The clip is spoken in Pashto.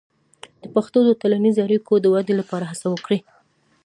د پښتو د ټولنیزې اړیکو د ودې لپاره هڅه وکړئ.